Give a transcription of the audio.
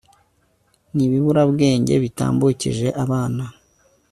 n'ibiburabwenge bitambukije abana